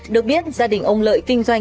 được biết gia đình ông lợi kinh doanh